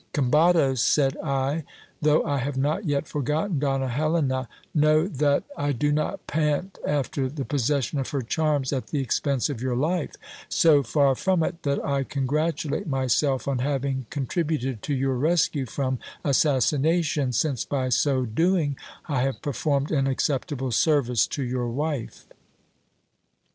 Combados, said I, though I have not yet forgotten Donna Helena, know that I do not pant after the possession of her charms at the expense of your life ; so far from it, that I congratulate myself on having contributed to your rescue from assassination, since by so doing I have performed an acceptable service to your wife.